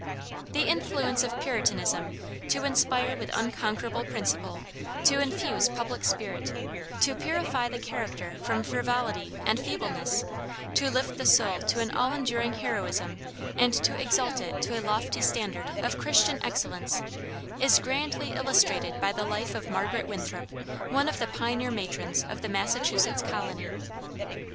The influence of Puritanism to inspire with unconquerable principle, to infuse public spirit, to purify the character from frivolity and feebleness, to lift the soul to an all enduring heroism and to exalt it to a lofty standard of Christian excellence, is grandly illustrated by the life of Margaret Winthrop, one of the pioneer matrons of the Massachusetts colony.